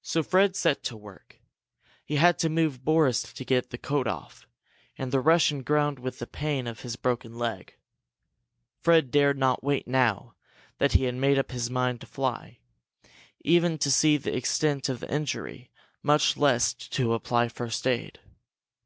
So Fred set to work. He had to move Boris to get the coat off, and the Russian groaned with the pain of his broken leg. Fred dared not wait, now that he had made up his mind to fly, even to see the extent of the injury, much less to apply first aid.